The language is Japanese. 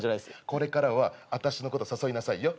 これからはあたしのこと誘いなさいよ。